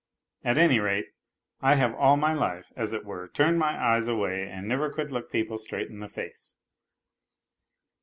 At any rate, I have all my life, as it were, turned my eyes away and never could look people straight in the face.)